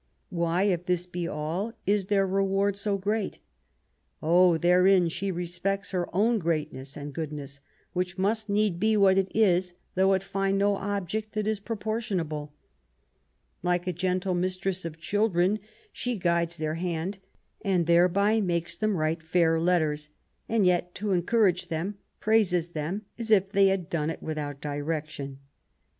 " Why, if this be all, is their reward so great ?"" Oh, therein she respects her own greatness and goodness, which must need be what it is, though it find no object that is proportionable. Like a gentle mistress of children, she guides their hand and thereby makes them write fair letters, and yet to encourage them, praises them as if they had done it without direc tion."